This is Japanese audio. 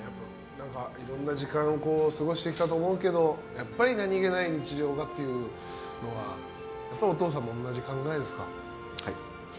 いろんな時間を過ごしてきたと思うけど何気ない日常がというのはやっぱりお父さんも同じ考えですか。